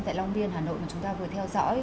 tại long viên hà nội mà chúng ta vừa theo dõi